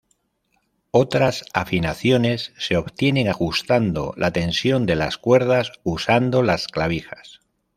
Otras afinaciones se obtienen ajustando la tensión de las cuerdas usando las clavijas.